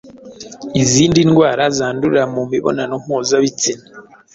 izindi ndwara zandurira mu mibonano mpuzabitsina